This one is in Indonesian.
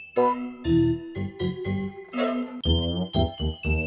sampai jumpa lagi